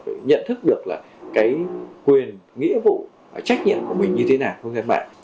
phải nhận thức được quyền nghĩa vụ trách nhiệm của mình như thế nào không gian mạng